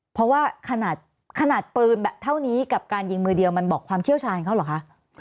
เพราะว่าขนาดปืนแบบเท่านี้กับการยิงมือเดียวมันบอกความเชี่ยวชาญเขาเหรอคะ